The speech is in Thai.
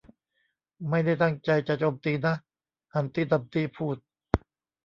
ไม่ได้ตั้งใจจะโจมตีนะ ฮัมตี้ ดัมตี้ พูก